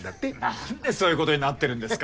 なんでそういうことになってるんですか。